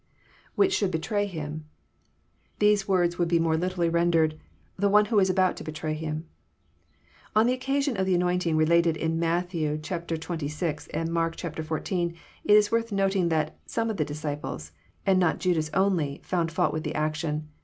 IWhich should betray him,'] These words would be more lit erally rendered, " the one who was about to betray Him." On the occasion of the anointing related in Matt. xxvl. and If ark xiv., it is worth noticing that " some of the disciples," and not Judas only, found fault with the action.